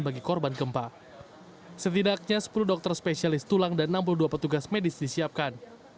bagi korban gempa setidaknya sepuluh dokter spesialis tulang dan enam puluh dua petugas medis disiapkan